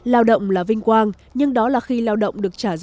lao động là vinh quang nhưng đó là khi lao động được trả ra xứng đáng